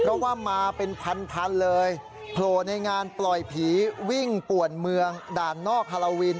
เพราะว่ามาเป็นพันพันเลยโผล่ในงานปล่อยผีวิ่งป่วนเมืองด่านนอกฮาลาวิน